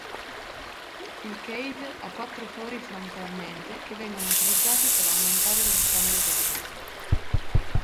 Il case ha quattro fori frontalmente che vengono utilizzati per aumentare lo scambio termico.